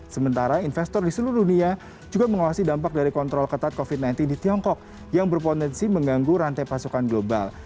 sementara investor di seluruh dunia juga mengawasi dampak dari kontrol ketat covid sembilan belas di tiongkok yang berpotensi mengganggu rantai pasokan global